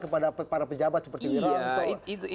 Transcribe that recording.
kepada para pejabat seperti burhanto